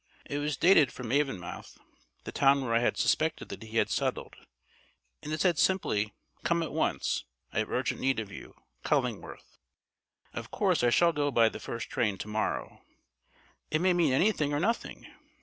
It was dated from Avonmouth, the town where I had suspected that he had settled, and it said simply, "Come at once. I have urgent need of you. CULLINGWORTH." Of course, I shall go by the first train to morrow. It may mean anything or nothing.